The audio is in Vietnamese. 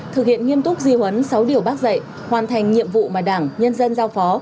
thực hiện nghiêm túc di huấn sáu điều bác dạy hoàn thành nhiệm vụ mà đảng nhân dân giao phó